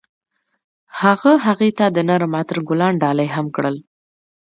هغه هغې ته د نرم عطر ګلان ډالۍ هم کړل.